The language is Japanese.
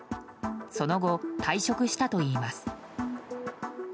その後、退職したといいます。